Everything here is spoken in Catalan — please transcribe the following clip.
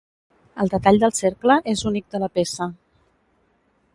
El detall del cercle és únic de la peça.